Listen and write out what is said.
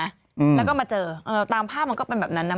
อืมแล้วก็มาเจอเออตามภาพมันก็เป็นแบบนั้นนะ